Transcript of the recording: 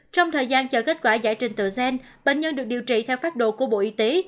trong thời gian chờ kết quả giải trình tự gen bệnh nhân được điều trị theo phát đồ của bộ y tế